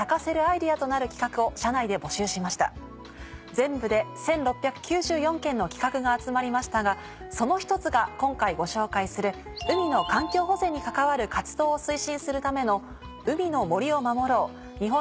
全部で１６９４件の企画が集まりましたがその一つが今回ご紹介する海の環境保全に関わる活動を推進するための。